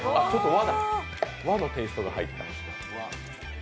和のテイストが入るんだ。